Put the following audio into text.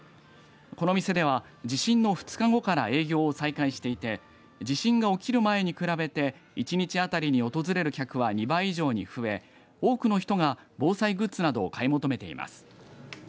この店では、地震の２日後から営業を再開していて地震が起きる前に比べて１日当たりに訪れる客は２倍以上に増え多くの人が防災グッズなどを買い求めています。